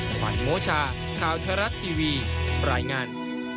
ขวัญโมชาข่าวไทยรัฐทีวีรายงาน